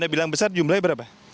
bilang besar jumlahnya berapa